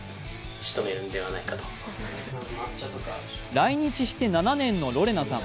来日して７年のロレナさん。